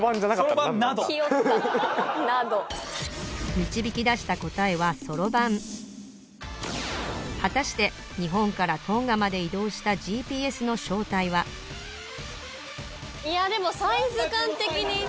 導き出した答えはそろばんはたして日本からトンガまで移動したＧＰＳの正体はいやでもサイズ感的に。